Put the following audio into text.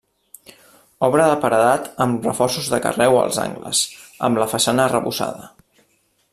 Obra de paredat amb reforços de carreu als angles, amb la façana arrebossada.